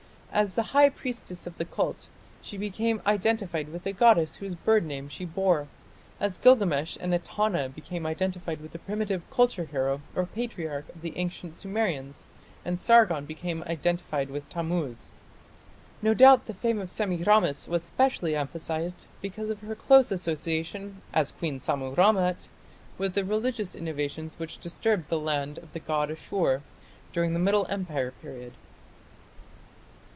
As the high priestess of the cult, she became identified with the goddess whose bird name she bore, as Gilgamesh and Etana became identified with the primitive culture hero or patriarch of the ancient Sumerians, and Sargon became identified with Tammuz. No doubt the fame of Semiramis was specially emphasized because of her close association, as Queen Sammu rammat, with the religious innovations which disturbed the land of the god Ashur during the Middle Empire period.